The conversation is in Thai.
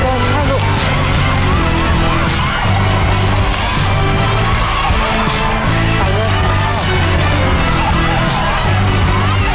เร็วเร็วเร็วเร็วเร็วเร็วเร็วเร็วเร็วเร็ว